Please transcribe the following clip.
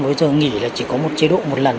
bây giờ nghỉ là chỉ có một chế độ một lần